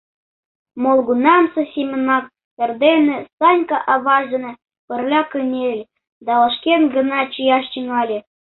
Молгунамсе семынак эрдене Санька аваж дене пырля кынеле да вашкен гына чияш тӱҥале.